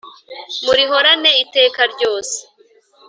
murihorane iteka ryose